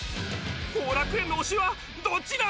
幸楽苑の推しはどっちだ？